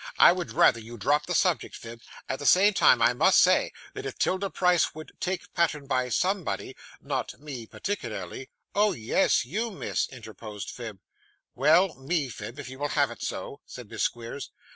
I would rather you dropped the subject, Phib; at the same time, I must say, that if 'Tilda Price would take pattern by somebody not me particularly ' 'Oh yes; you, miss,' interposed Phib. 'Well, me, Phib, if you will have it so,' said Miss Squeers.